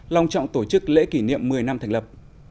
long trọng tổ chức lễ kỷ niệm một mươi năm thành lập